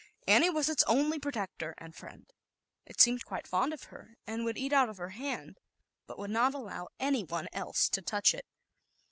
Annie was its only protector and friend. It seemed quite fond of her, and would eat out of her hand, but would not allow one else to touch it.